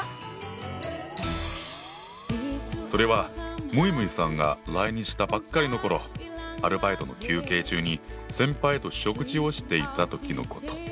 それはむいむいさんが来日したばっかりの頃アルバイトの休憩中に先輩と食事をしていた時のこと。